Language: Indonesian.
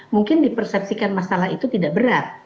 mungkin dipersepsikan masalah itu tidak berat